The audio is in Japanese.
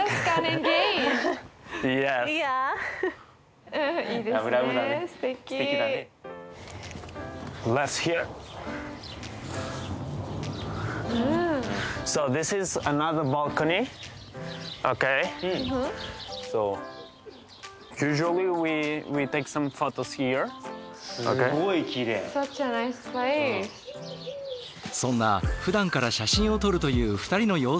そんなふだんから写真を撮るという２人の様子を見せてもらおう。